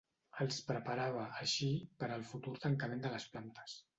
Els preparava, així, per al futur tancament de les plantes.